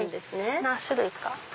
何種類か。